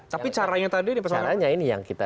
tapi caranya tadi di persoalan apa